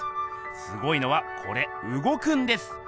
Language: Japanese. すごいのはこれうごくんです！